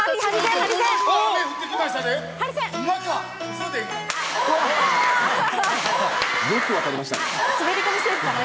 よく分かりましたね。